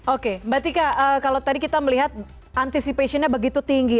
oke mbak tika kalau tadi kita melihat anticipationnya begitu tinggi